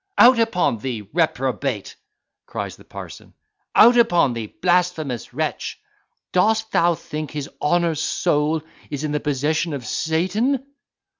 "Out upon thee, reprobate" cries the parson "out upon thee, blasphemous wretch! Dost thou think his honour's soul is in the possession of Satan?"